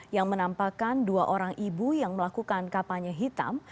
yang menampakkan dua orang ibu yang melakukan kampanye hitam